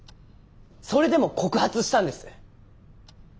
それでも告発したんです。